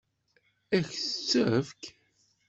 Ad k-tt-tefk?